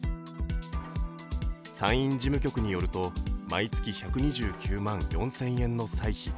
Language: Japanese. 参院事務局によると毎月１２９万４０００円の歳費。